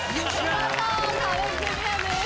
見事壁クリアです。